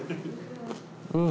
うん！